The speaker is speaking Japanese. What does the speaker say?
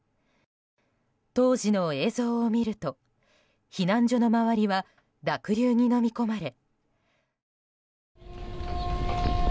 当時の映像を見ると避難所の周りは濁流にのみ込まれ。